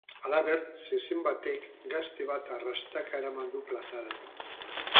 Halaber, zezen batek gazte bat arrastaka eraman du plazaraino.